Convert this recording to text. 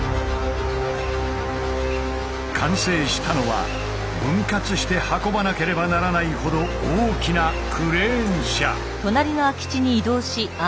完成したのは分割して運ばなければならないほど大きなクレーン車。